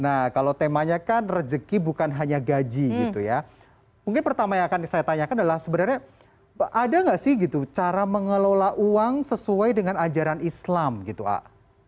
nah kalau temanya kan rezeki bukan hanya gaji gitu ya mungkin pertama yang akan saya tanyakan adalah sebenarnya ada nggak sih gitu cara mengelola uang sesuai dengan ajaran islam gitu pak